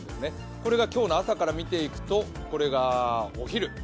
これが今日の朝から見ていくと、これがお昼。